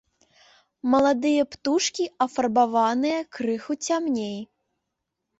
Маладыя птушкі афарбаваныя крыху цямней.